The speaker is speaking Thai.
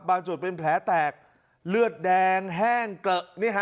บางจุดเป็นแผลแตกเลือดแดงแห้งเกะนี่ฮะ